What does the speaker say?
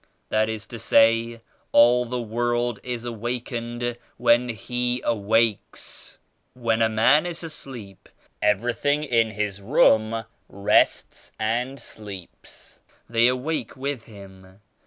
That is to say all the world is awakened when He awakes. When a man is asleep everything in his room rests and sleeps. They awake wi& him.